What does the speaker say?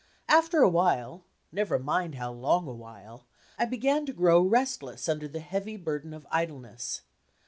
After a while (never mind how long a while) I began to grow restless under the heavy burden of idleness.